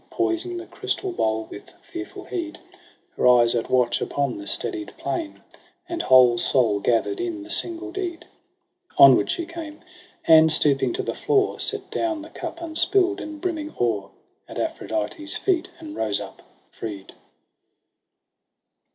Poising the crystal bowl with fearful heed. Her eyes at watch upon the steadied plane. And whole soul gather'd in the single deed. Onward she came, and stooping to the floor Set down the cup unspill'd and brimming o'er At Aphrodite's feet, and rose up freed.